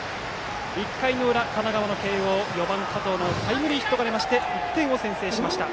１回の裏、神奈川の慶応４番、加藤のタイムリーヒットで１点先制しました。